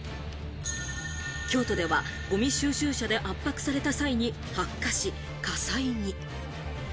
京都ではゴミ収集車で圧迫された際に発火し、火災に。